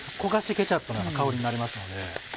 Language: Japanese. ケチャップのような香りになりますので。